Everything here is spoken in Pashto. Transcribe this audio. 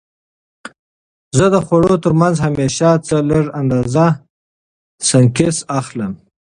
زه د خوړو ترمنځ همیشه څه لږه اندازه سنکس اخلم.